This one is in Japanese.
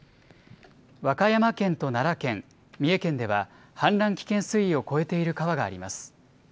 和歌山県と奈良県、三重県では氾濫危険水位を超えている川があります。